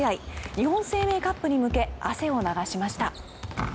日本生命カップに向け汗を流しました。